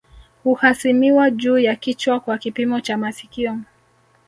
Huhasimiwa juu ya kichwa kwa kipimo cha masikio